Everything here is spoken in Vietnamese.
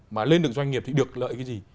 mà lên được doanh nghiệp thì được lợi cái gì